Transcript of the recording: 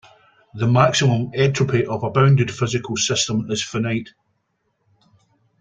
The maximum entropy of a bounded physical system is finite.